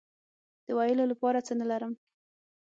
د ویلو لپاره څه نه لرم